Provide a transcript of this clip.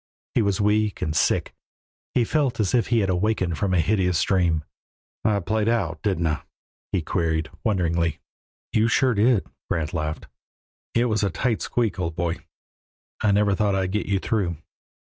He was weak and sick; he felt as if he had awakened from a hideous dream. "I played out, didn't I?" he queried, wonderingly. "You sure did," Grant laughed. "It was a tight squeak, old boy. I never thought I'd get you through."